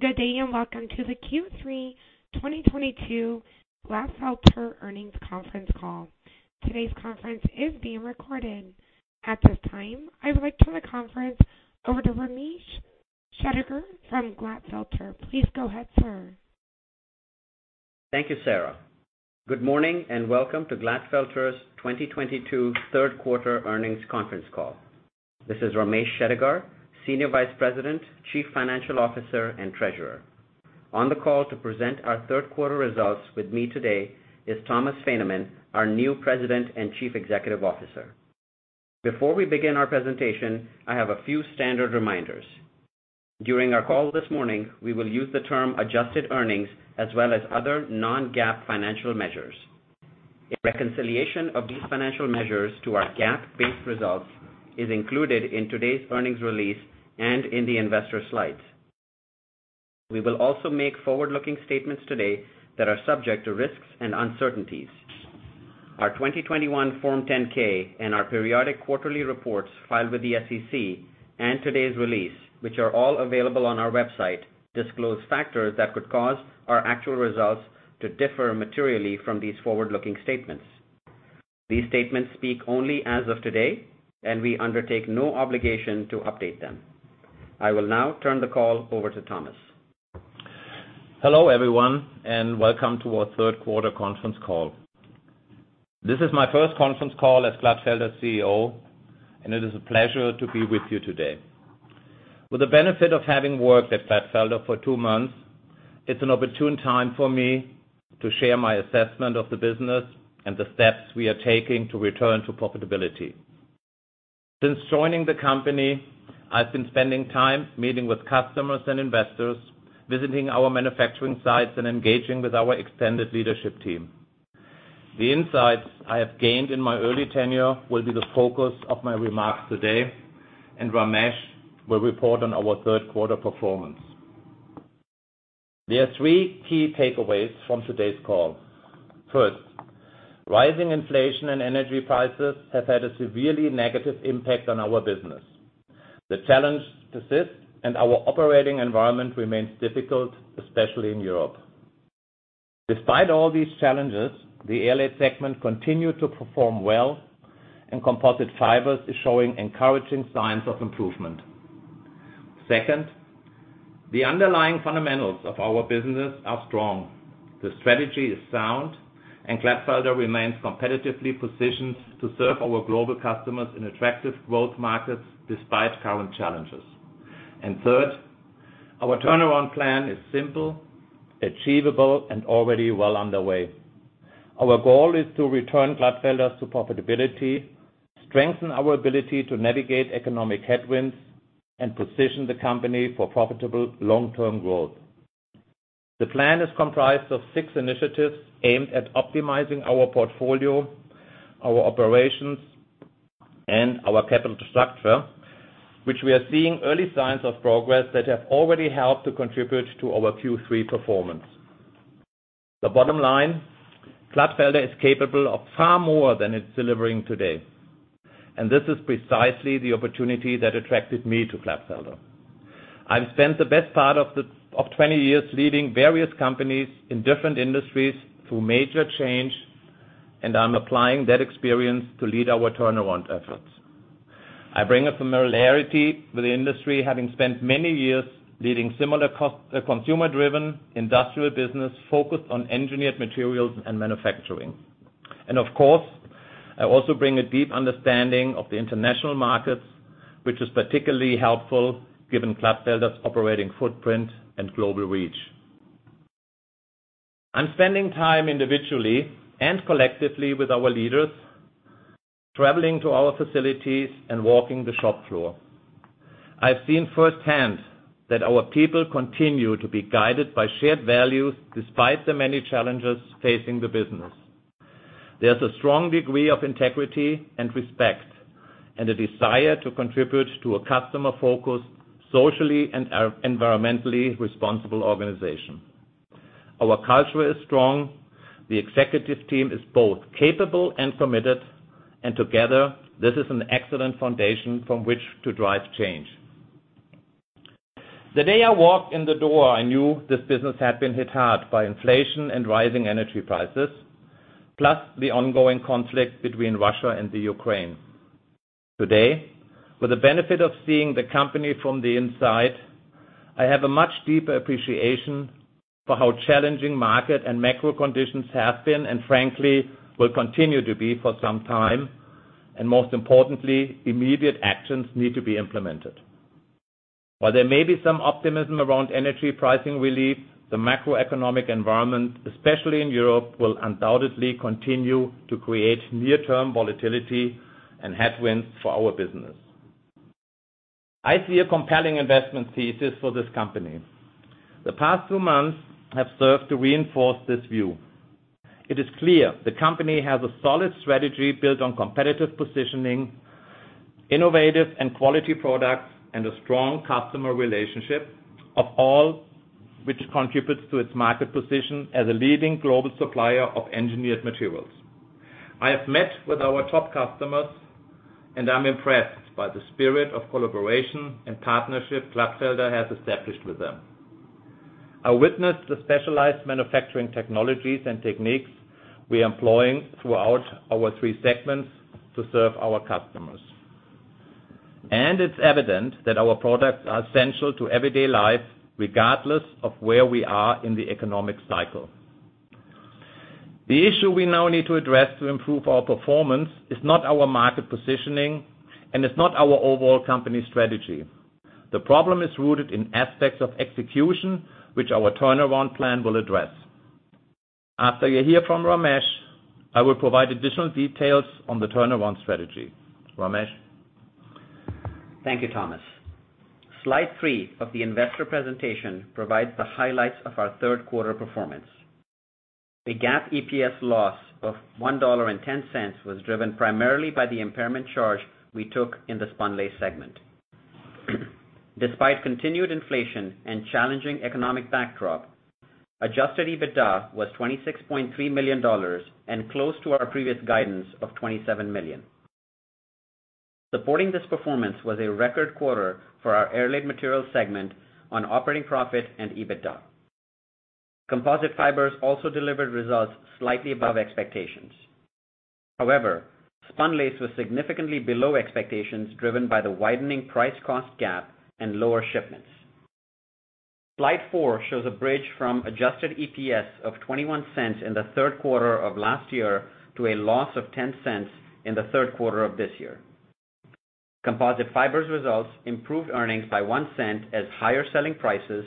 Good day, and welcome to the Q3 2022 Glatfelter earnings conference call. Today's conference is being recorded. At this time, I would like to turn the conference over to Ramesh Shettigar from Glatfelter. Please go ahead, sir. Thank you, Sarah. Good morning, and welcome to Glatfelter's 2022 third quarter earnings conference call. This is Ramesh Shettigar, Senior Vice President, Chief Financial Officer and Treasurer. On the call to present our third quarter results with me today is Thomas Fahnemann, our new President and Chief Executive Officer. Before we begin our presentation, I have a few standard reminders. During our call this morning, we will use the term adjusted earnings as well as other non-GAAP financial measures. A reconciliation of these financial measures to our GAAP-based results is included in today's earnings release and in the investor slides. We will also make forward-looking statements today that are subject to risks and uncertainties. Our 2021 Form 10-K and our periodic quarterly reports filed with the SEC and today's release, which are all available on our website, disclose factors that could cause our actual results to differ materially from these forward-looking statements. These statements speak only as of today, and we undertake no obligation to update them. I will now turn the call over to Thomas. Hello, everyone, and welcome to our third quarter conference call. This is my first conference call as Glatfelter's CEO, and it is a pleasure to be with you today. With the benefit of having worked at Glatfelter for two months, it's an opportune time for me to share my assessment of the business and the steps we are taking to return to profitability. Since joining the company, I've been spending time meeting with customers and investors, visiting our manufacturing sites, and engaging with our extended leadership team. The insights I have gained in my early tenure will be the focus of my remarks today, and Ramesh will report on our third quarter performance. There are three key takeaways from today's call. First, rising inflation and energy prices have had a severely negative impact on our business. The challenge persists, and our operating environment remains difficult, especially in Europe. Despite all these challenges, the Airlaid segment continued to perform well, and Composite Fibers is showing encouraging signs of improvement. Second, the underlying fundamentals of our businesses are strong. The strategy is sound, and Glatfelter remains competitively positioned to serve our global customers in attractive growth markets despite current challenges. Third, our turnaround plan is simple, achievable, and already well underway. Our goal is to return Glatfelter to profitability, strengthen our ability to navigate economic headwinds, and position the company for profitable long-term growth. The plan is comprised of six initiatives aimed at optimizing our portfolio, our operations, and our capital structure, which we are seeing early signs of progress that have already helped to contribute to our Q3 performance. The bottom line, Glatfelter is capable of far more than it's delivering today, and this is precisely the opportunity that attracted me to Glatfelter. I've spent the best part of 20 years leading various companies in different industries through major change, and I'm applying that experience to lead our turnaround efforts. I bring a familiarity with the industry, having spent many years leading similar customer/consumer-driven industrial business focused on engineered materials and manufacturing. Of course, I also bring a deep understanding of the international markets, which is particularly helpful given Glatfelter's operating footprint and global reach. I'm spending time individually and collectively with our leaders, traveling to our facilities and walking the shop floor. I've seen firsthand that our people continue to be guided by shared values despite the many challenges facing the business. There's a strong degree of integrity and respect, and a desire to contribute to a customer-focused, socially and environmentally responsible organization. Our culture is strong. The executive team is both capable and committed, and together, this is an excellent foundation from which to drive change. The day I walked in the door, I knew this business had been hit hard by inflation and rising energy prices, plus the ongoing conflict between Russia and Ukraine. Today, with the benefit of seeing the company from the inside, I have a much deeper appreciation for how challenging market and macro conditions have been and frankly, will continue to be for some time, and most importantly, immediate actions need to be implemented. While there may be some optimism around energy pricing relief, the macroeconomic environment, especially in Europe, will undoubtedly continue to create near-term volatility and headwinds for our business. I see a compelling investment thesis for this company. The past two months have served to reinforce this view. It is clear the company has a solid strategy built on competitive positioning, innovative and quality products, and a strong customer relationship of all which contributes to its market position as a leading global supplier of engineered materials. I have met with our top customers, and I'm impressed by the spirit of collaboration and partnership Glatfelter has established with them. I witnessed the specialized manufacturing technologies and techniques we employ throughout our three segments to serve our customers. It's evident that our products are essential to everyday life, regardless of where we are in the economic cycle. The issue we now need to address to improve our performance is not our market positioning and is not our overall company strategy. The problem is rooted in aspects of execution, which our turnaround plan will address. After you hear from Ramesh, I will provide additional details on the turnaround strategy. Ramesh? Thank you, Thomas. Slide three of the investor presentation provides the highlights of our third quarter performance. A GAAP EPS loss of $1.10 was driven primarily by the impairment charge we took in the Spunlace segment. Despite continued inflation and challenging economic backdrop, adjusted EBITDA was $26.3 million and close to our previous guidance of $27 million. Supporting this performance was a record quarter for our Airlaid materials segment on operating profit and EBITDA. Composite Fibers also delivered results slightly above expectations. However, Spunlace was significantly below expectations, driven by the widening price cost gap and lower shipments. Slide four shows a bridge from adjusted EPS of $0.21 in the third quarter of last year to a loss of $0.10 in the third quarter of this year. Composite Fibers results improved earnings by $0.01 as higher selling prices,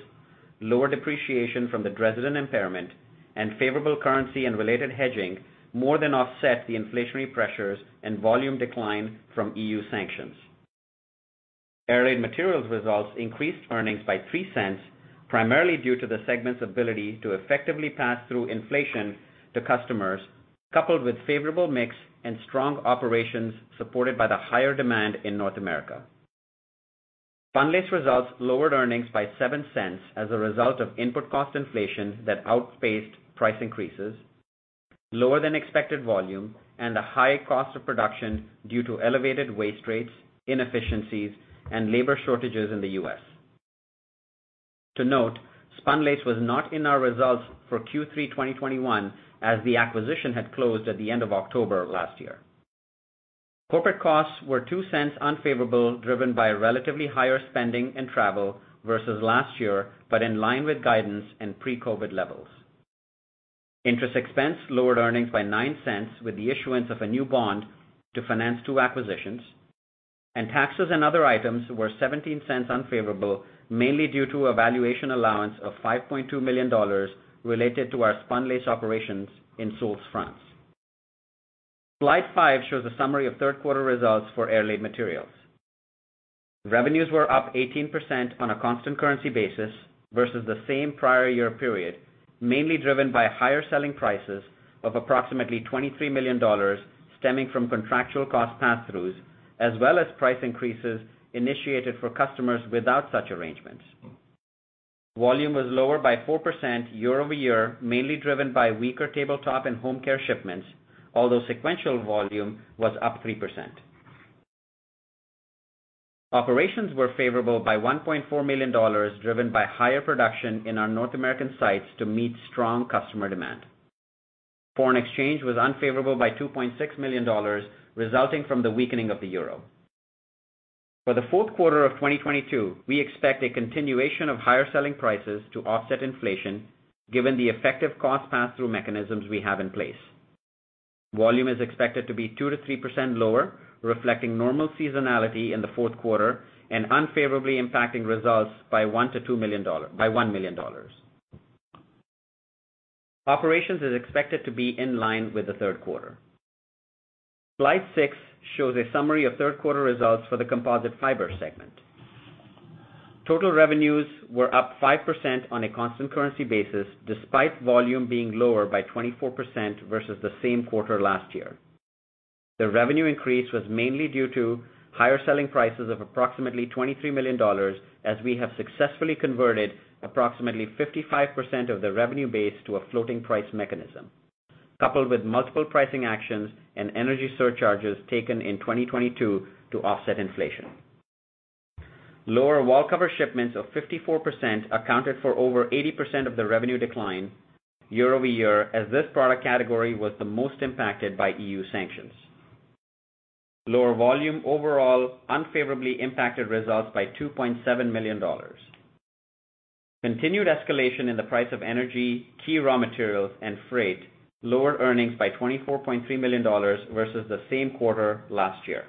lower depreciation from the Dresden impairment, and favorable currency and related hedging more than offset the inflationary pressures and volume decline from EU sanctions. Airlaid materials results increased earnings by $0.03, primarily due to the segment's ability to effectively pass through inflation to customers, coupled with favorable mix and strong operations supported by the higher demand in North America. Spunlace results lowered earnings by $0.07 as a result of input cost inflation that outpaced price increases, lower than expected volume, and a high cost of production due to elevated waste rates, inefficiencies, and labor shortages in the U.S. To note, Spunlace was not in our results for Q3 2021 as the acquisition had closed at the end of October last year. Corporate costs were $0.02 unfavorable, driven by relatively higher spending and travel versus last year, but in line with guidance and pre-COVID levels. Interest expense lowered earnings by $0.09 with the issuance of a new bond to finance two acquisitions, and taxes and other items were $0.17 unfavorable, mainly due to a valuation allowance of $5.2 million related to our Spunlace operations in Soultz, France. Slide five shows a summary of third quarter results for Airlaid materials. Revenues were up 18% on a constant currency basis versus the same prior year period, mainly driven by higher selling prices of approximately $23 million stemming from contractual cost pass-throughs, as well as price increases initiated for customers without such arrangements. Volume was lower by 4% year-over-year, mainly driven by weaker tabletop and home care shipments, although sequential volume was up 3%. Operations were favorable by $1.4 million, driven by higher production in our North American sites to meet strong customer demand. Foreign exchange was unfavorable by $2.6 million, resulting from the weakening of the euro. For the fourth quarter of 2022, we expect a continuation of higher selling prices to offset inflation, given the effective cost pass-through mechanisms we have in place. Volume is expected to be 2%-3% lower, reflecting normal seasonality in the fourth quarter and unfavorably impacting results by $1 million. Operations is expected to be in line with the third quarter. Slide six shows a summary of third quarter results for the composite fiber segment. Total revenues were up 5% on a constant currency basis, despite volume being lower by 24% versus the same quarter last year. The revenue increase was mainly due to higher selling prices of approximately $23 million, as we have successfully converted approximately 55% of the revenue base to a floating price mechanism, coupled with multiple pricing actions and energy surcharges taken in 2022 to offset inflation. Lower wallcover shipments of 54% accounted for over 80% of the revenue decline year-over-year, as this product category was the most impacted by EU sanctions. Lower volume overall unfavorably impacted results by $2.7 million. Continued escalation in the price of energy, key raw materials, and freight lowered earnings by $24.3 million versus the same quarter last year.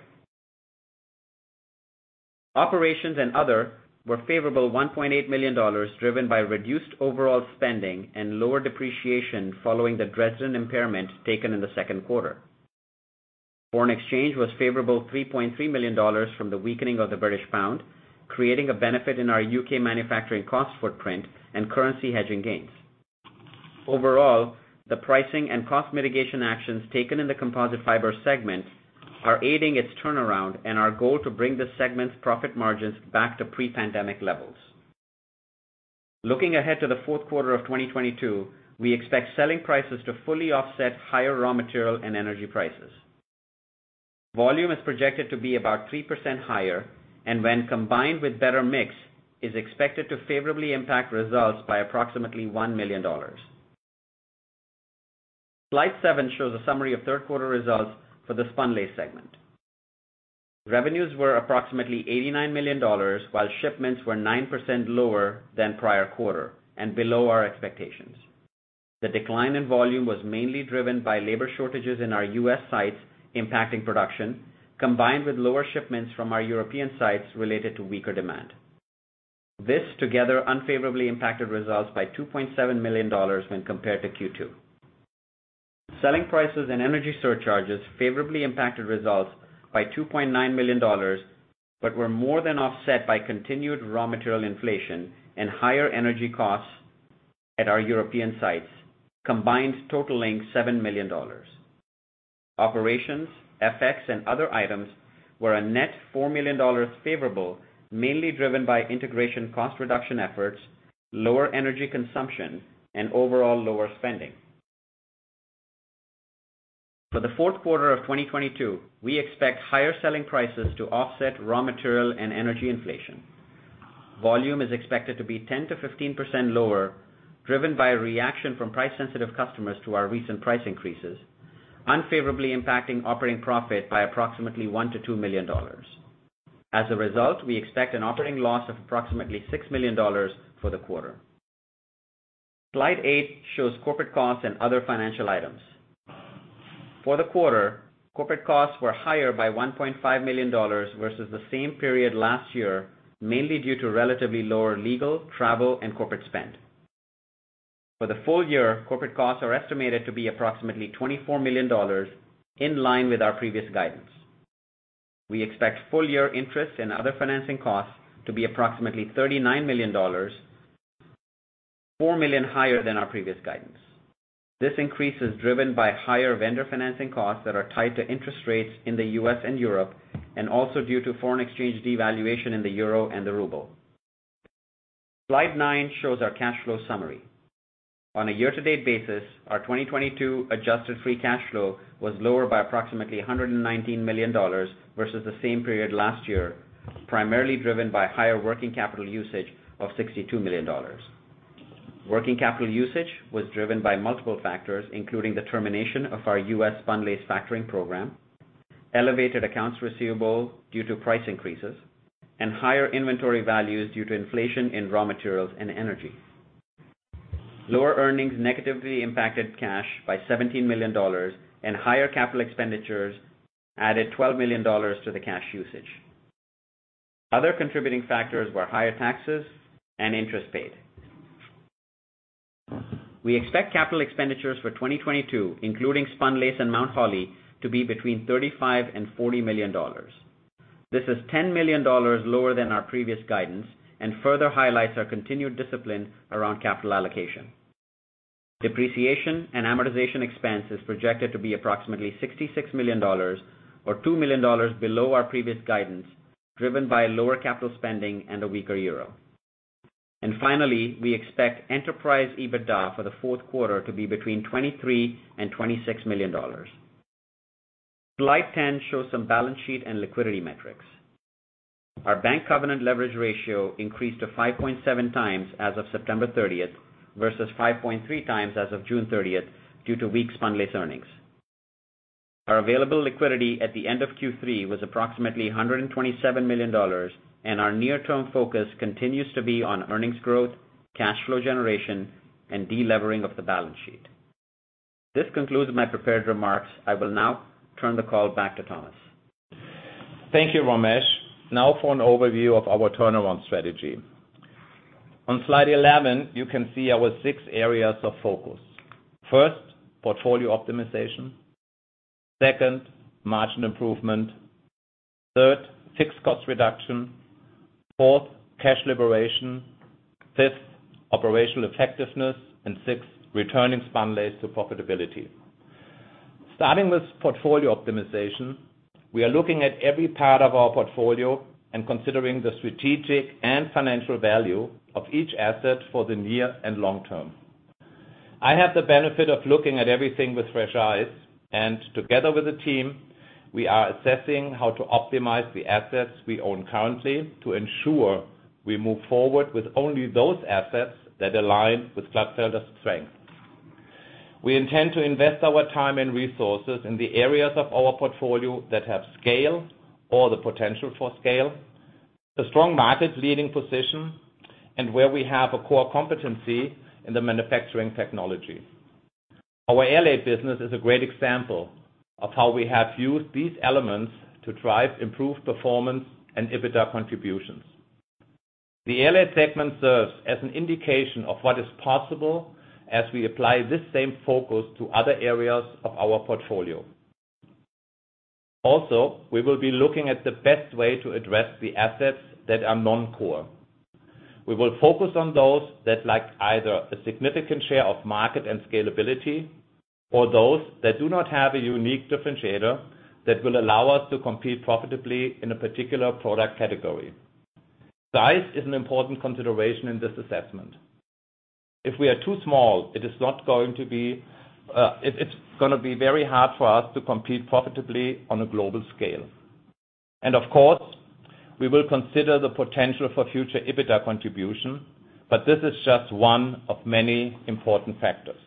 Operations and other were favorable $1.8 million, driven by reduced overall spending and lower depreciation following the Dresden impairment taken in the second quarter. Foreign exchange was favorable $3.3 million from the weakening of the British pound, creating a benefit in our U.K. manufacturing cost footprint and currency hedging gains. Overall, the pricing and cost mitigation actions taken in the Composite Fibers segment are aiding its turnaround and our goal to bring the segment's profit margins back to pre-pandemic levels. Looking ahead to the fourth quarter of 2022, we expect selling prices to fully offset higher raw material and energy prices. Volume is projected to be about 3% higher, and when combined with better mix, is expected to favorably impact results by approximately $1 million. Slide seven shows a summary of third quarter results for the Spunlace segment. Revenues were approximately $89 million, while shipments were 9% lower than prior quarter and below our expectations. The decline in volume was mainly driven by labor shortages in our U.S. sites impacting production, combined with lower shipments from our European sites related to weaker demand. This together unfavorably impacted results by $2.7 million when compared to Q2. Selling prices and energy surcharges favorably impacted results by $2.9 million but were more than offset by continued raw material inflation and higher energy costs at our European sites, combined totaling $7 million. Operations, FX, and other items were a net $4 million favorable, mainly driven by integration cost reduction efforts, lower energy consumption, and overall lower spending. For the fourth quarter of 2022, we expect higher selling prices to offset raw material and energy inflation. Volume is expected to be 10%-15% lower, driven by a reaction from price-sensitive customers to our recent price increases, unfavorably impacting operating profit by approximately $1 million-$2 million. As a result, we expect an operating loss of approximately $6 million for the quarter. Slide eight shows corporate costs and other financial items. For the quarter, corporate costs were higher by $1.5 million versus the same period last year, mainly due to relatively lower legal, travel, and corporate spend. For the full year, corporate costs are estimated to be approximately $24 million, in line with our previous guidance. We expect full year interest and other financing costs to be approximately $39 million, $4 million higher than our previous guidance. This increase is driven by higher vendor financing costs that are tied to interest rates in the U.S. and Europe, and also due to foreign exchange devaluation in the euro and the ruble. Slide nine shows our cash flow summary. On a year-to-date basis, our 2022 adjusted free cash flow was lower by approximately $119 million versus the same period last year, primarily driven by higher working capital usage of $62 million. Working capital usage was driven by multiple factors, including the termination of our U.S. Spunlace factoring program, elevated accounts receivable due to price increases, and higher inventory values due to inflation in raw materials and energy. Lower earnings negatively impacted cash by $17 million, and higher capital expenditures added $12 million to the cash usage. Other contributing factors were higher taxes and interest paid. We expect capital expenditures for 2022, including Spunlace and Mount Holly, to be between $35 million and $40 million. This is $10 million lower than our previous guidance and further highlights our continued discipline around capital allocation. Depreciation and amortization expense is projected to be approximately $66 million or $2 million below our previous guidance, driven by lower capital spending and a weaker euro. Finally, we expect enterprise EBITDA for the fourth quarter to be between $23 million and $26 million. Slide 10 shows some balance sheet and liquidity metrics. Our bank covenant leverage ratio increased to 5.7x as of September 30th versus 5.3 times as of June 30th due to weak Spunlace earnings. Our available liquidity at the end of Q3 was approximately $127 million, and our near-term focus continues to be on earnings growth, cash flow generation, and delevering of the balance sheet. This concludes my prepared remarks. I will now turn the call back to Thomas. Thank you, Ramesh. Now for an overview of our turnaround strategy. On slide 11, you can see our six areas of focus. First, portfolio optimization. Second, margin improvement. Third, fixed cost reduction. Fourth, cash liberation. Fifth, operational effectiveness. Sixth, returning Spunlace to profitability. Starting with portfolio optimization, we are looking at every part of our portfolio and considering the strategic and financial value of each asset for the near and long term. I have the benefit of looking at everything with fresh eyes, and together with the team, we are assessing how to optimize the assets we own currently to ensure we move forward with only those assets that align with Glatfelter's strength. We intend to invest our time and resources in the areas of our portfolio that have scale or the potential for scale, the strong market leading position, and where we have a core competency in the manufacturing technology. Our Airlaid business is a great example of how we have used these elements to drive improved performance and EBITDA contributions. The Airlaid segment serves as an indication of what is possible as we apply this same focus to other areas of our portfolio. Also, we will be looking at the best way to address the assets that are non-core. We will focus on those that lack either a significant share of market and scalability or those that do not have a unique differentiator that will allow us to compete profitably in a particular product category. Size is an important consideration in this assessment. If we are too small, it's gonna be very hard for us to compete profitably on a global scale. Of course, we will consider the potential for future EBITDA contribution, but this is just one of many important factors.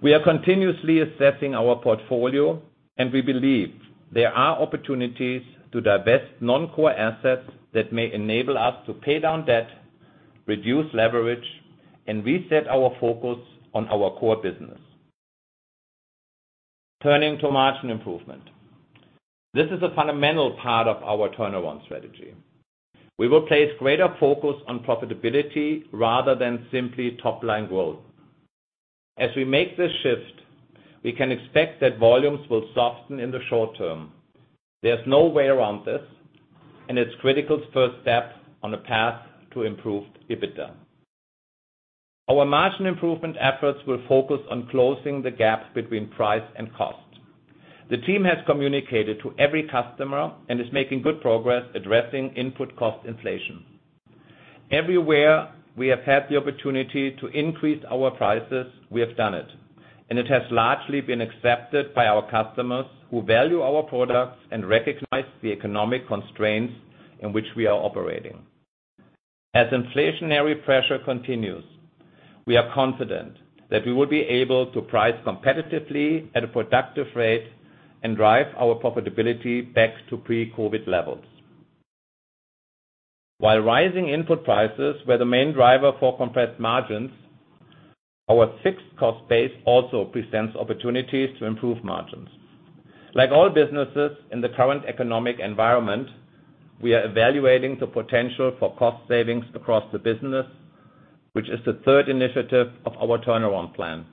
We are continuously assessing our portfolio, and we believe there are opportunities to divest non-core assets that may enable us to pay down debt, reduce leverage, and reset our focus on our core business. Turning to margin improvement. This is a fundamental part of our turnaround strategy. We will place greater focus on profitability rather than simply top-line growth. As we make this shift, we can expect that volumes will soften in the short term. There's no way around this, and it's critical first step on a path to improved EBITDA. Our margin improvement efforts will focus on closing the gap between price and cost. The team has communicated to every customer and is making good progress addressing input cost inflation. Everywhere we have had the opportunity to increase our prices, we have done it, and it has largely been accepted by our customers who value our products and recognize the economic constraints in which we are operating. As inflationary pressure continues, we are confident that we will be able to price competitively at a productive rate and drive our profitability back to pre-COVID levels. While rising input prices were the main driver for compressed margins, our fixed cost base also presents opportunities to improve margins. Like all businesses in the current economic environment, we are evaluating the potential for cost savings across the business, which is the third initiative of our turnaround plan.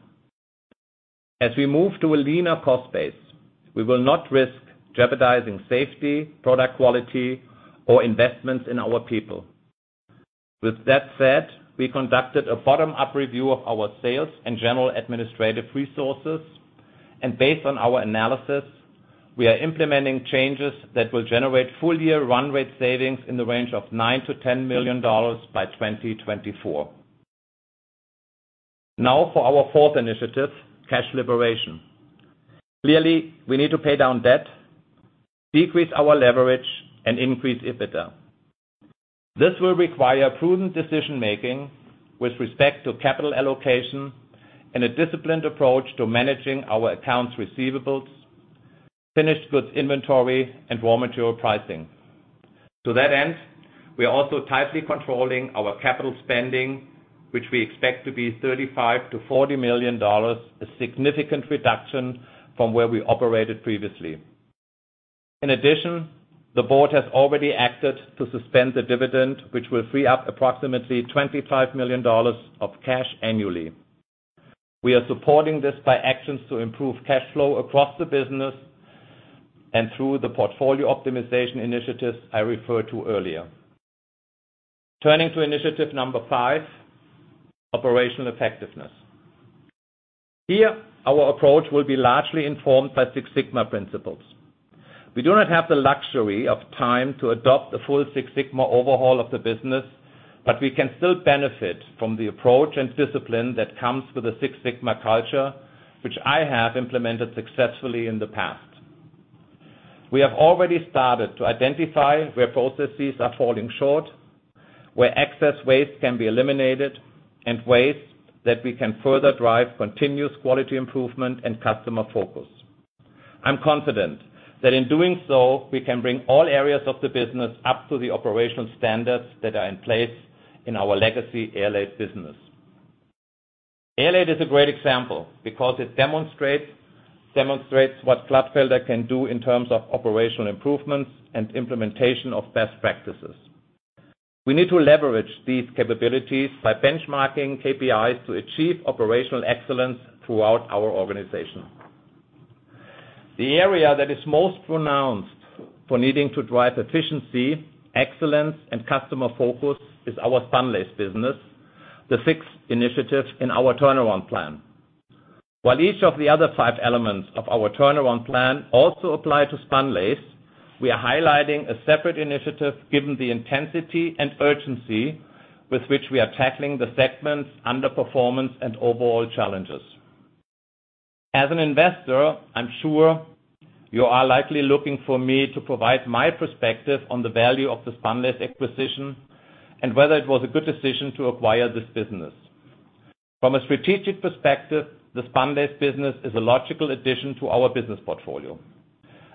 As we move to a leaner cost base, we will not risk jeopardizing safety, product quality, or investments in our people. With that said, we conducted a bottom-up review of our sales and general administrative resources, and based on our analysis, we are implementing changes that will generate full-year run rate savings in the range of $9 million-$10 million by 2024. Now for our fourth initiative, cash liberation. Clearly, we need to pay down debt, decrease our leverage, and increase EBITDA. This will require prudent decision-making with respect to capital allocation and a disciplined approach to managing our accounts receivables, finished goods inventory, and raw material pricing. To that end, we are also tightly controlling our capital spending, which we expect to be $35 million-$40 million, a significant reduction from where we operated previously. In addition, the board has already acted to suspend the dividend, which will free up approximately $25 million of cash annually. We are supporting this by actions to improve cash flow across the business and through the portfolio optimization initiatives I referred to earlier. Turning to initiative number five, operational effectiveness. Here, our approach will be largely informed by Six Sigma principles. We do not have the luxury of time to adopt a full Six Sigma overhaul of the business, but we can still benefit from the approach and discipline that comes with a Six Sigma culture, which I have implemented successfully in the past. We have already started to identify where processes are falling short, where excess waste can be eliminated, and ways that we can further drive continuous quality improvement and customer focus. I'm confident that in doing so, we can bring all areas of the business up to the operational standards that are in place in our legacy Airlaid business. Airlaid is a great example because it demonstrates what Glatfelter can do in terms of operational improvements and implementation of best practices. We need to leverage these capabilities by benchmarking KPIs to achieve operational excellence throughout our organization. The area that is most pronounced for needing to drive efficiency, excellence, and customer focus is our Spunlace business, the sixth initiative in our turnaround plan. While each of the other five elements of our turnaround plan also apply to Spunlace, we are highlighting a separate initiative given the intensity and urgency with which we are tackling the segment's underperformance and overall challenges. As an investor, I'm sure you are likely looking for me to provide my perspective on the value of the Spunlace acquisition and whether it was a good decision to acquire this business. From a strategic perspective, the Spunlace business is a logical addition to our business portfolio.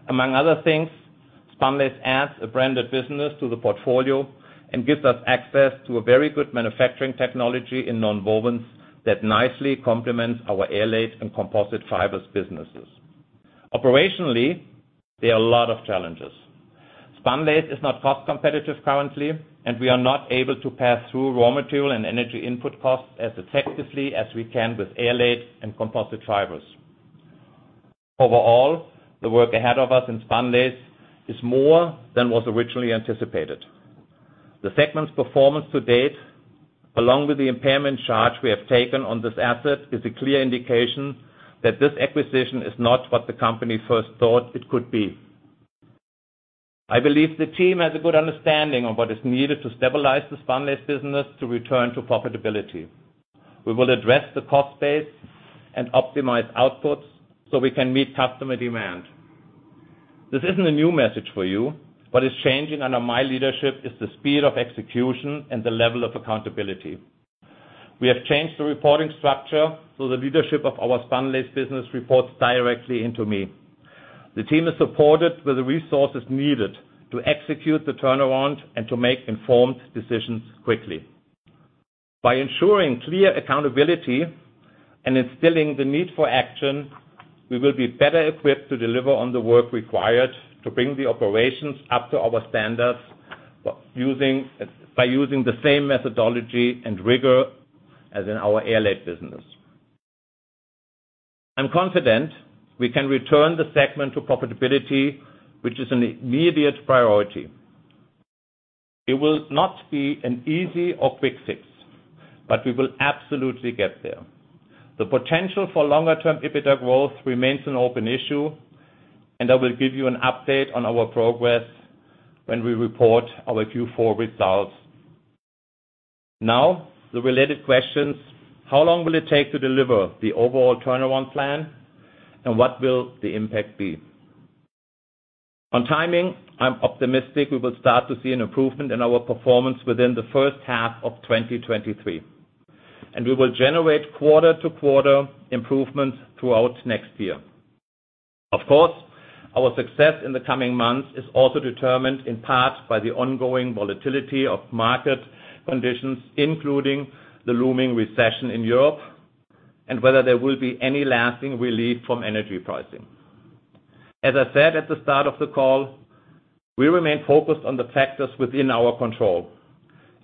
Among other things, Spunlace adds a branded business to the portfolio and gives us access to a very good manufacturing technology in nonwovens that nicely complements our Airlaid and Composite Fibers businesses. Operationally, there are a lot of challenges. Spunlace is not cost competitive currently, and we are not able to pass through raw material and energy input costs as effectively as we can with Airlaid and Composite Fibers. Overall, the work ahead of us in Spunlace is more than was originally anticipated. The segment's performance to date, along with the impairment charge we have taken on this asset, is a clear indication that this acquisition is not what the company first thought it could be. I believe the team has a good understanding of what is needed to stabilize the Spunlace business to return to profitability. We will address the cost base and optimize outputs so we can meet customer demand. This isn't a new message for you. What is changing under my leadership is the speed of execution and the level of accountability. We have changed the reporting structure so the leadership of our Spunlace business reports directly into me. The team is supported with the resources needed to execute the turnaround and to make informed decisions quickly. By ensuring clear accountability and instilling the need for action, we will be better equipped to deliver on the work required to bring the operations up to our standards, by using the same methodology and rigor as in our Airlaid business. I'm confident we can return the segment to profitability, which is an immediate priority. It will not be an easy or quick fix, but we will absolutely get there. The potential for longer-term EBITDA growth remains an open issue, and I will give you an update on our progress when we report our Q4 results. Now, the related questions, how long will it take to deliver the overall turnaround plan, and what will the impact be? On timing, I'm optimistic we will start to see an improvement in our performance within the first half of 2023, and we will generate quarter-to-quarter improvements throughout next year. Of course, our success in the coming months is also determined in part by the ongoing volatility of market conditions, including the looming recession in Europe and whether there will be any lasting relief from energy pricing. As I said at the start of the call, we remain focused on the factors within our control.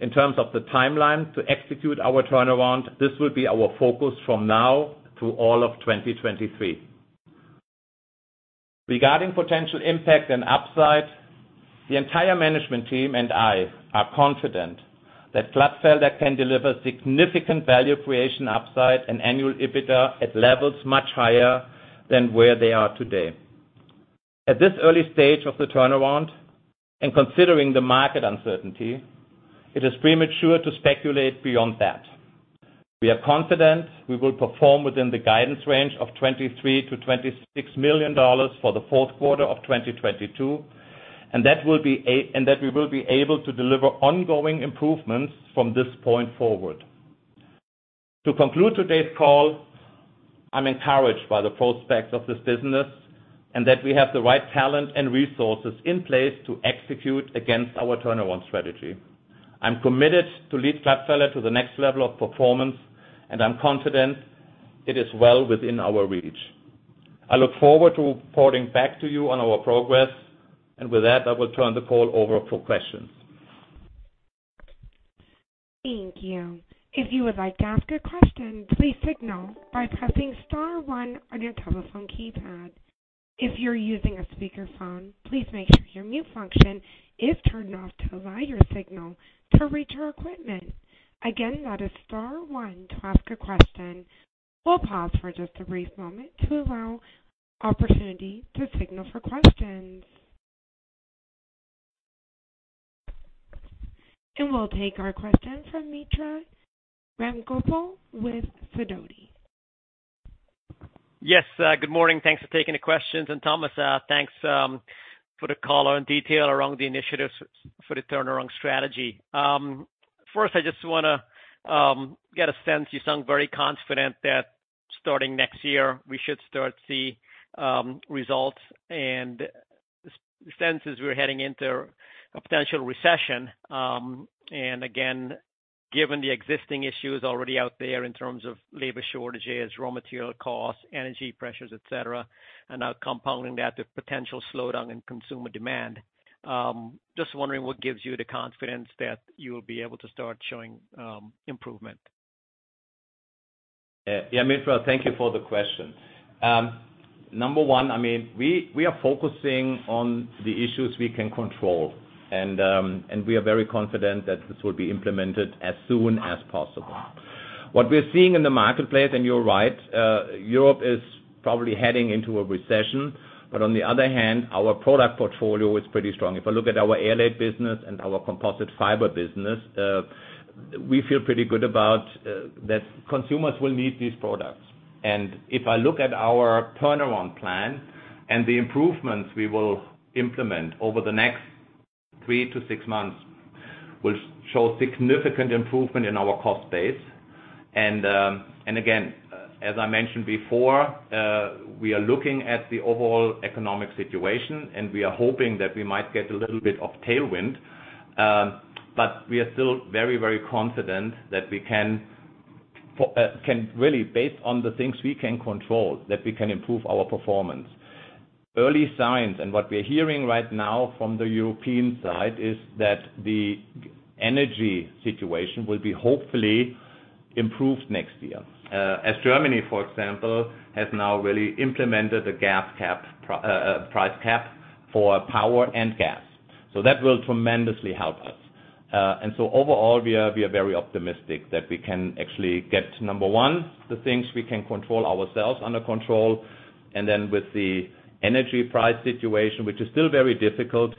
In terms of the timeline to execute our turnaround, this will be our focus from now through all of 2023. Regarding potential impact and upside, the entire management team and I are confident that Glatfelter can deliver significant value creation upside and annual EBITDA at levels much higher than where they are today. At this early stage of the turnaround, and considering the market uncertainty, it is premature to speculate beyond that. We are confident we will perform within the guidance range of $23 million-$26 million for the fourth quarter of 2022, and that we will be able to deliver ongoing improvements from this point forward. To conclude today's call, I'm encouraged by the prospects of this business and that we have the right talent and resources in place to execute against our turnaround strategy. I'm committed to lead Glatfelter to the next level of performance, and I'm confident it is well within our reach. I look forward to reporting back to you on our progress. With that, I will turn the call over for questions. Thank you. If you would like to ask a question, please signal by pressing star one on your telephone keypad. If you're using a speakerphone, please make sure your mute function is turned off to allow your signal to reach our equipment. Again, that is star one to ask a question. We'll pause for just a brief moment to allow opportunity to signal for questions. We'll take our question from Mitra Ramgopal with Sidoti. Yes, good morning. Thanks for taking the questions. Thomas, thanks for the color and detail around the initiatives for the turnaround strategy. First, I just wanna get a sense. You sound very confident that starting next year, we should start to see results. The sense is we're heading into a potential recession. Again, given the existing issues already out there in terms of labor shortages, raw material costs, energy pressures, et cetera, and now compounding that, the potential slowdown in consumer demand, just wondering what gives you the confidence that you will be able to start showing improvement. Yeah, Mitra, thank you for the question. Number one, I mean, we are focusing on the issues we can control, and we are very confident that this will be implemented as soon as possible. What we're seeing in the marketplace, and you're right, Europe is probably heading into a recession. But on the other hand, our product portfolio is pretty strong. If I look at our Airlaid business and our Composite Fibers business, we feel pretty good about that consumers will need these products. If I look at our turnaround plan and the improvement, we will implement over the next three to six months will show significant improvement in our cost base. As I mentioned before, we are looking at the overall economic situation, and we are hoping that we might get a little bit of tailwind, but we are still very confident that we can really, based on the things we can control, that we can improve our performance. Early signs and what we're hearing right now from the European side is that the energy situation will be hopefully improved next year. As Germany, for example, has now really implemented a price cap for power and gas. So that will tremendously help us. Overall, we are very optimistic that we can actually get to number one, the things we can control ourselves under control, and then with the energy price situation, which is still very difficult,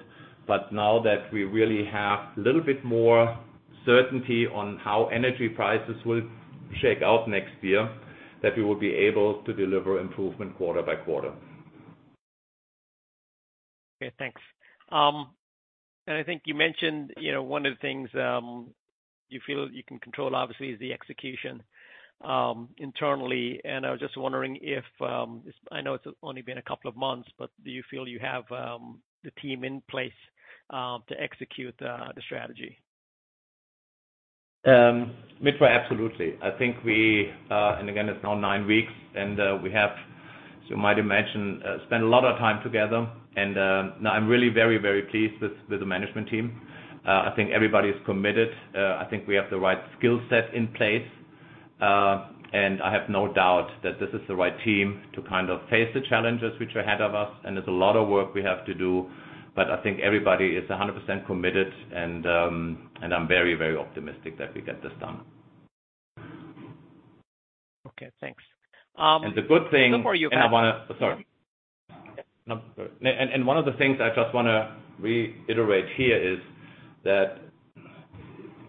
but now that we really have a little bit more certainty on how energy prices will shake out next year, that we will be able to deliver improvement quarter-by-quarter. Okay, thanks. I think you mentioned, you know, one of the things you feel you can control, obviously, is the execution internally. I was just wondering if, I know it's only been a couple of months, but do you feel you have the team in place to execute the strategy? Mitra, absolutely. I think we, and again, it's now nine weeks, and we have, as you might imagine, spent a lot of time together and now I'm really very, very pleased with the management team. I think everybody is committed. I think we have the right skill set in place, and I have no doubt that this is the right team to kind of face the challenges which are ahead of us. There's a lot of work we have to do. I think everybody is 100% committed and I'm very, very optimistic that we get this done. Okay, thanks. The good thing. Before you- Sorry. Yeah. One of the things I just wanna reiterate here is that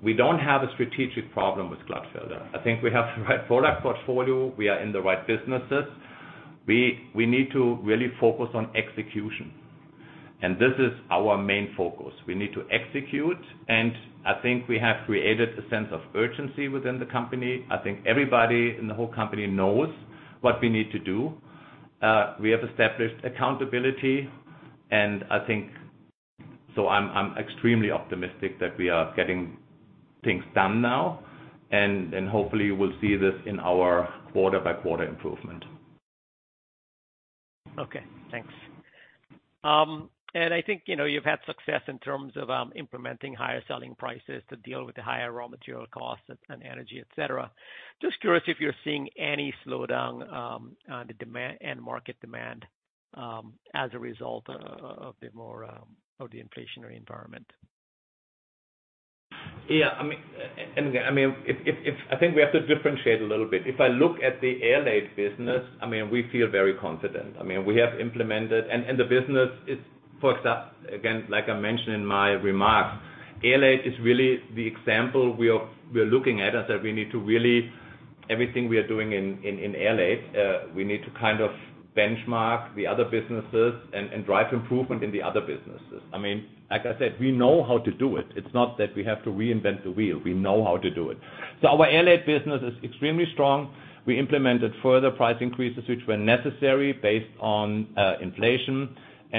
we don't have a strategic problem with Glatfelter. I think we have the right product portfolio. We are in the right businesses. We need to really focus on execution, and this is our main focus. We need to execute, and I think we have created a sense of urgency within the company. I think everybody in the whole company knows what we need to do. We have established accountability, and I think I'm extremely optimistic that we are getting things done now, and hopefully we'll see this in our quarter-by-quarter improvement. Okay, thanks. I think, you know, you've had success in terms of implementing higher selling prices to deal with the higher raw material costs and energy, et cetera. Just curious if you're seeing any slowdown on the end market demand as a result of the more inflationary environment. Yeah, I mean, I think we have to differentiate a little bit. If I look at the Airlaid business, I mean, we feel very confident. I mean, we have implemented. The business is. Again, like I mentioned in my remarks, Airlaid is really the example we are looking at, is that we need to really, everything we are doing in Airlaid, we need to kind of benchmark the other businesses and drive improvement in the other businesses. I mean, like I said, we know how to do it. It's not that we have to reinvent the wheel. We know how to do it. Our Airlaid business is extremely strong. We implemented further price increases which were necessary based on inflation, and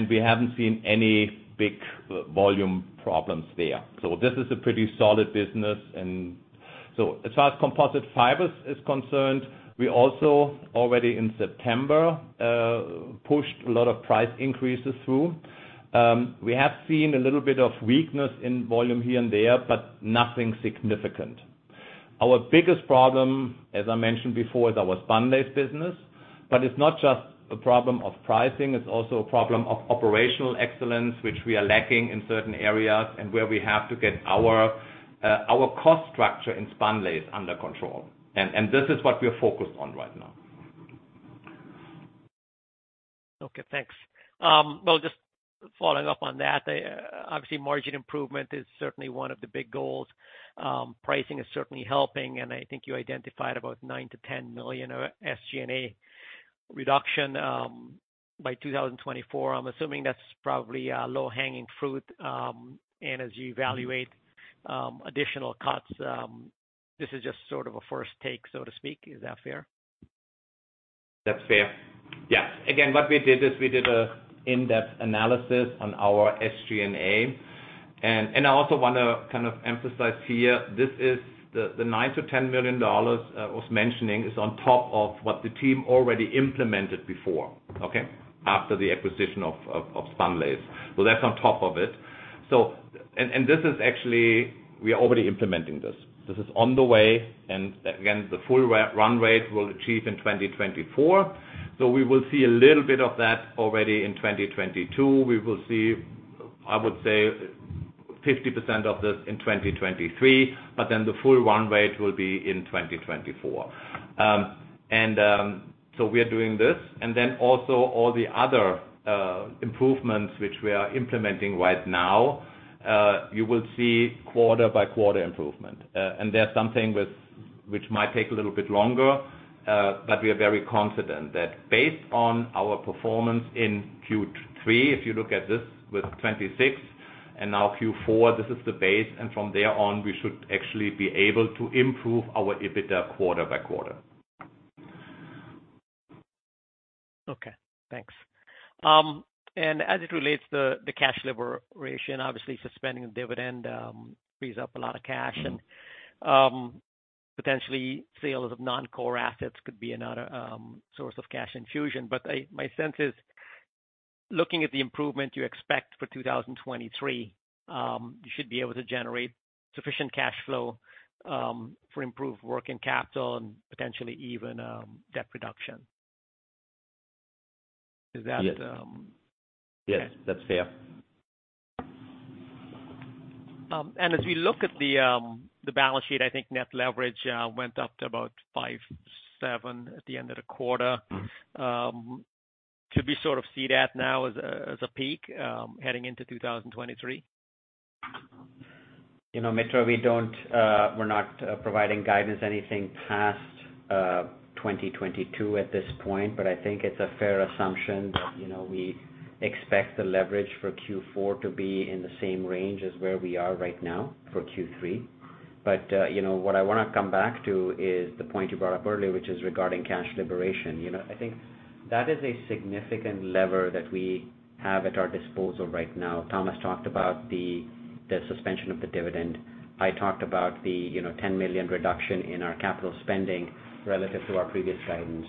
we haven't seen any big volume problems there. This is a pretty solid business. As far as Composite Fibers is concerned, we also already in September pushed a lot of price increases through. We have seen a little bit of weakness in volume here and there, but nothing significant. Our biggest problem, as I mentioned before, is our Spunlace business. It's not just a problem of pricing, it's also a problem of operational excellence, which we are lacking in certain areas, and where we have to get our cost structure in Spunlace under control. This is what we are focused on right now. Okay, thanks. Well, just following up on that, obviously margin improvement is certainly one of the big goals. Pricing is certainly helping, and I think you identified about $9 million-$10 million of SG&A reduction by 2024. I'm assuming that's probably low-hanging fruit, and as you evaluate additional cuts, this is just sort of a first take, so to speak. Is that fair? That's fair. Yeah. Again, what we did is an in-depth analysis on our SG&A. And I also want to kind of emphasize here, this is the $9 million-$10 million I was mentioning is on top of what the team already implemented before, okay? After the acquisition of Spunlace. That's on top of it. This is actually, we are already implementing this. This is on the way, and again, the full run rate we'll achieve in 2024. We will see a little bit of that already in 2022. We will see, I would say, 50% of this in 2023, but then the full run rate will be in 2024. We are doing this. Then also all the other improvements which we are implementing right now, you will see quarter-by-quarter improvement. There are some things which might take a little bit longer, but we are very confident that based on our performance in Q3, if you look at this with 26, and now Q4, this is the base, and from there on, we should actually be able to improve our EBITDA quarter-by-quarter. Okay, thanks. As it relates to the cash generation, obviously suspending the dividend frees up a lot of cash. Mm-hmm. Potentially sales of non-core assets could be another source of cash infusion. My sense is, looking at the improvement you expect for 2023, you should be able to generate sufficient cash flow for improved working capital and potentially even debt reduction. Is that? Yes. That's fair. As we look at the balance sheet, I think net leverage went up to about 5.7x at the end of the quarter. Mm-hmm. Could we sort of see that now as a peak, heading into 2023? You know, Mitra, we're not providing guidance anything past 2022 at this point, but I think it's a fair assumption that, you know, we expect the leverage for Q4 to be in the same range as where we are right now for Q3. You know, what I wanna come back to is the point you brought up earlier, which is regarding cash liberation. You know, I think that is a significant lever that we have at our disposal right now. Thomas talked about the suspension of the dividend. I talked about the $10 million reduction in our capital spending relative to our previous guidance.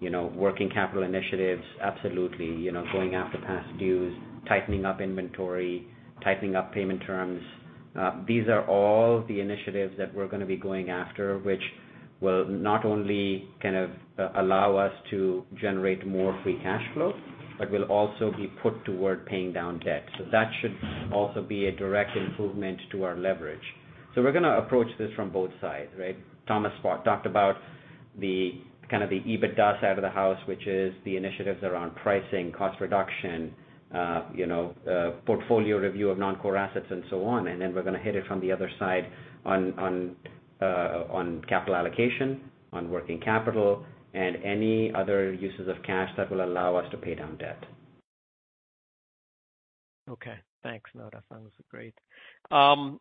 You know, working capital initiatives, absolutely. You know, going after past dues, tightening up inventory, tightening up payment terms. These are all the initiatives that we're gonna be going after, which will not only kind of allow us to generate more free cash flow, but will also be put toward paying down debt. That should also be a direct improvement to our leverage. We're gonna approach this from both sides, right? Thomas talked about the kind of EBITDA side of the house, which is the initiatives around pricing, cost reduction, you know, portfolio review of non-core assets and so on. We're gonna hit it from the other side on capital allocation, on working capital, and any other uses of cash that will allow us to pay down debt. Okay. Thanks, Ramesh. That was great. I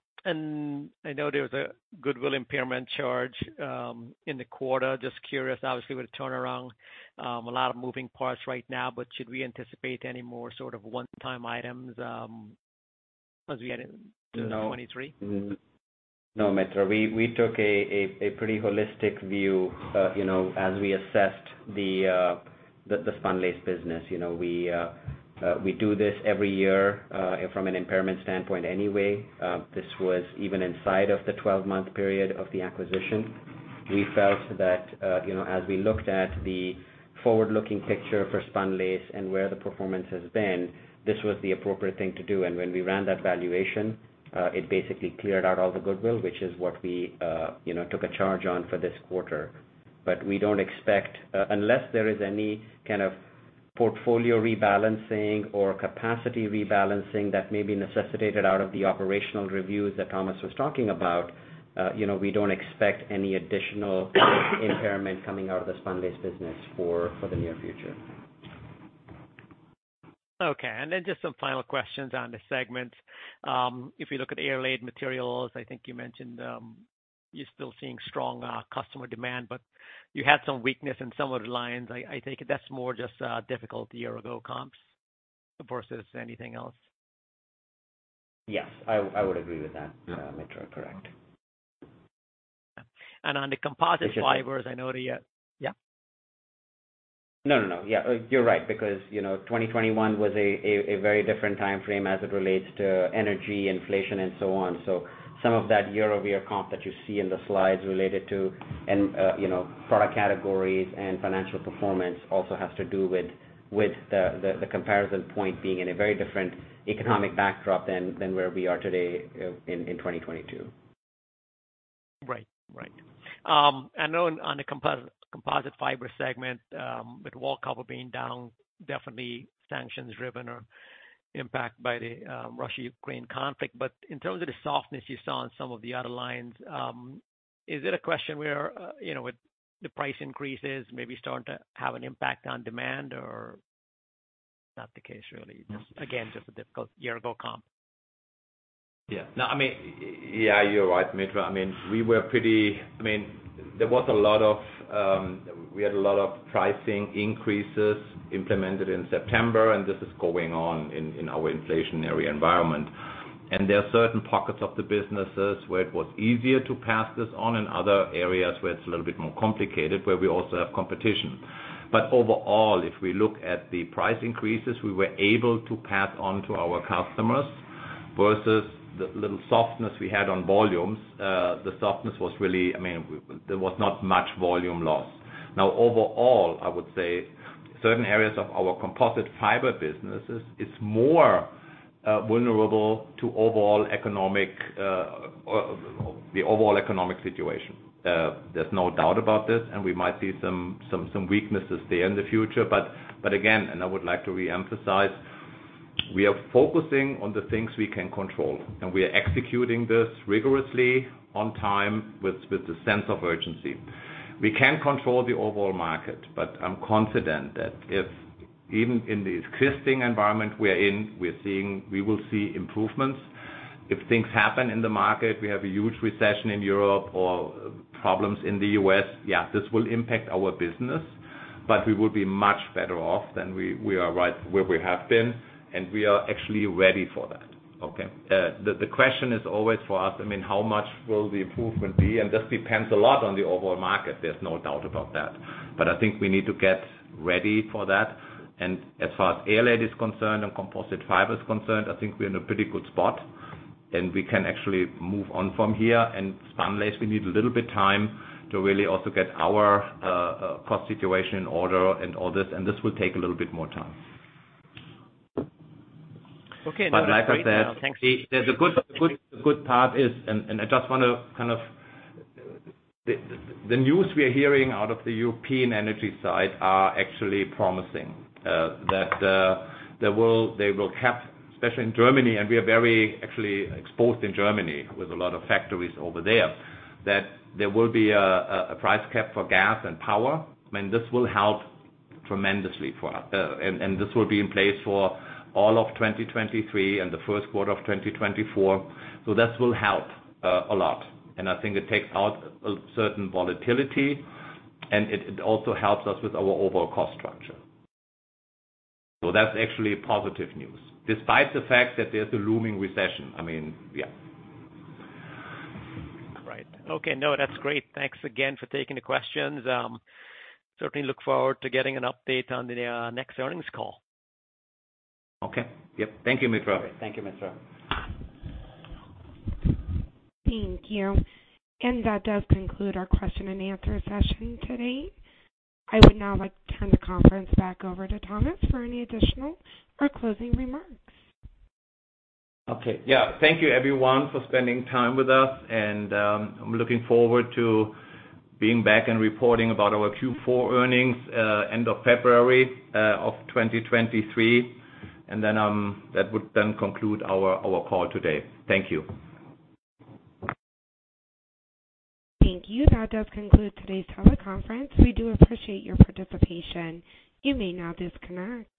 know there was a goodwill impairment charge in the quarter. Just curious, obviously, with the turnaround, a lot of moving parts right now, but should we anticipate any more sort of one-time items as we head into 2023? No. No, Mitra. We took a pretty holistic view as we assessed the Spunlace business. We do this every year from an impairment standpoint anyway. This was even inside of the 12-month period of the acquisition. We felt that as we looked at the forward-looking picture for Spunlace and where the performance has been, this was the appropriate thing to do. When we ran that valuation, it basically cleared out all the goodwill, which is what we took a charge on for this quarter. We don't expect, unless there is any kind of portfolio rebalancing or capacity rebalancing that may be necessitated out of the operational reviews that Thomas was talking about, you know, we don't expect any additional impairment coming out of the Spunlace business for the near future. Okay, just some final questions on the segments. If you look at Airlaid materials, I think you mentioned, you're still seeing strong customer demand, but you had some weakness in some of the lines. I think that's more just difficult year-ago comps versus anything else. Yes, I would agree with that, Mitra. Correct. On the Composite Fibers, I know. Yeah. No, no. Yeah, you're right, because, you know, 2021 was a very different timeframe as it relates to energy, inflation, and so on. Some of that year-over-year comp that you see in the slides related to you know, product categories and financial performance also have to do with the comparison point being in a very different economic backdrop than where we are today in 2022. Right. I know on the Composite Fibers segment, with wallcover being down, definitely sanctions driven or impacted by the Russia-Ukraine conflict. In terms of the softness, you saw on some of the other lines, is it a question where, you know, with the price increases maybe starting to have an impact on demand or not the case really? Just again, a difficult year-ago comp. Yeah. No, I mean, yeah, you're right, Mitra. I mean, we were pretty. I mean, there was a lot of, we had a lot of pricing increases implemented in September, and this is going on in our inflationary environment. There are certain pockets of the businesses where it was easier to pass this on, and other areas where it's a little bit more complicated, where we also have competition. Overall, if we look at the price increases, we were able to pass on to our customers versus the little softness we had on volumes, the softness was really, I mean, there was not much volume lost. Now overall, I would say certain areas of our Composite Fibers businesses is more vulnerable to overall economic, the overall economic situation. There's no doubt about this, and we might see some weaknesses there in the future. Again, I would like to reemphasize, we are focusing on the things we can control, and we are executing this rigorously on time with a sense of urgency. We can't control the overall market, but I'm confident that if even in the existing environment we are in, we will see improvements. If things happen in the market, we have a huge recession in Europe or problems in the U.S., yeah, this will impact our business. We will be much better off than we are right where we have been, and we are actually ready for that. Okay? The question is always for us, I mean, how much will the improvement be? This depends a lot on the overall market, there's no doubt about that. I think we need to get ready for that. As far as Airlaid is concerned and Composite Fiber is concerned, I think we're in a pretty good spot, and we can actually move on from here. Spunlace, we need a little bit time to really also get our cost situation in order and all this, and this will take a little bit more time. Okay. No, that's great. Now, thanks. Like I said, the good part is. The news we are hearing out of the European energy side is actually promising that they will have, especially in Germany, and we are very actually exposed in Germany with a lot of factories over there, that there will be a price cap for gas and power. I mean, this will help tremendously for us. This will be in place for all of 2023 and the first quarter of 2024. This will help a lot. I think it takes out a certain volatility, and it also helps us with our overall cost structure. That's actually positive news, despite the fact that there's a looming recession. I mean, yeah. Right. Okay. No, that's great. Thanks again for taking the questions. Certainly, look forward to getting an update on the next earnings call. Okay. Yep. Thank you, Mitra. Thank you, Mitra. Thank you. That does conclude our question-and-answer session today. I would now like to turn the conference back over to Thomas for any additional or closing remarks. Okay. Yeah. Thank you everyone for spending time with us, and I'm looking forward to being back and reporting about our Q4 earnings, end of February, of 2023. Then, that would then conclude our call today. Thank you. Thank you. That does conclude today's teleconference. We do appreciate your participation. You may now disconnect.